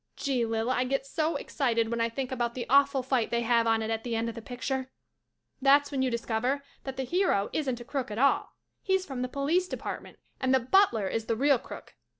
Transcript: Gee, Lil, I get so excited when I think about the awful fight they have on it at the end of the picture. That's when you discover that the hero isn't a crook at all — he's from the Police Department and the butler is the real crook.